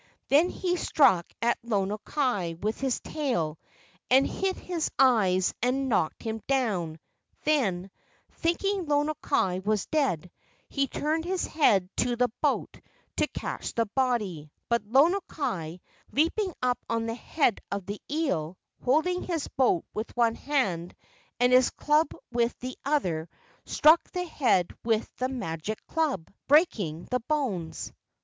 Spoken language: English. Then he struck at Lono kai with his tail and hit his eyes and knocked him down, then, thinking Lono kai was dead, he turned his head to the boat to catch the body, but Lono kai, leaping up on the head of the eel, holding his boat with one hand and his club with the other, struck the head with the magic club, 214 LEGENDS OF GHOSTS breaking the bones.